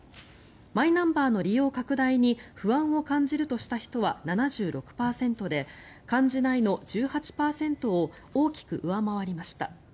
マイナンバーの利用拡大に不安を感じるとした人は７６％で感じないの１８％を大きく上回りました。